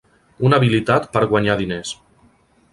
Un habilitat per guanyar diners.